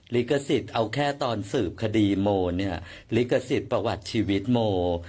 ลิขสิทธิ์เอาแค่ตอนสืบคดีโมเนี่ยลิขสิทธิ์ประวัติชีวิตโม